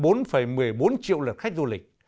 đón hơn bốn một mươi bốn triệu lượt khách du lịch